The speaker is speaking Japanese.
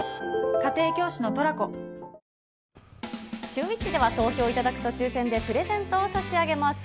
シューＷｈｉｃｈでは投票いただくと抽せんでプレゼントを差し上げます。